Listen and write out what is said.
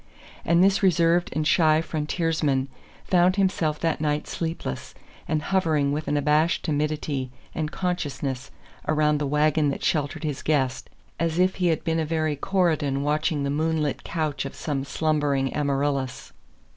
And this reserved and shy frontiersman found himself that night sleepless, and hovering with an abashed timidity and consciousness around the wagon that sheltered his guest, as if he had been a very Corydon watching the moonlit couch of some slumbering Amaryllis.